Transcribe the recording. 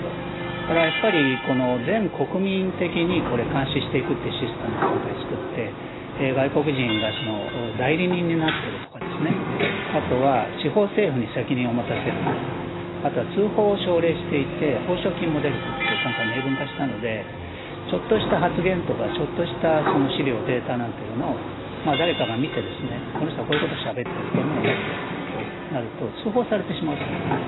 だから、やっぱり全国民的にこれ、監視していくってシステムを今回作って、外国人が代理人になってるとか、あとは、地方政府に責任を持たせるとか、あとは通報を奨励していて報奨金も出るということを今回、明文化したので、ちょっとした発言とか、ちょっとした資料、データなんていうのを、誰かが見て、この人はこういうことをしゃべってる、こういうものを持ってるということになると、通報されてしまうというのがある。